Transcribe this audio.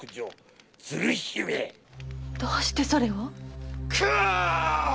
どうしてそれを⁉喝！